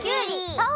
そう！